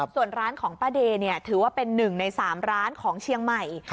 ส่วนร้านของป้าเดย์ถือว่าเป็น๑ใน๓ร้านของเชียงใหม่